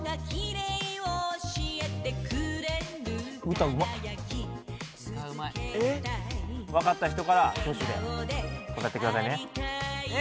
歌うまっ分かった人から挙手で答えてくださいねえ？